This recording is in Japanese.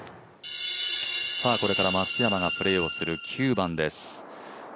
これから松山がプレーをする９番です。